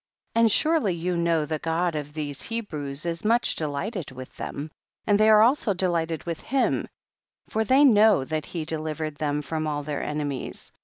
10. And surely you know the God of these Hebrews is much delighted with them, and they are also delight ed with him, for they know that he delivered them from all their ene mies.